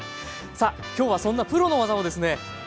さあ今日はそんなプロの技をですね